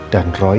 dan juga roy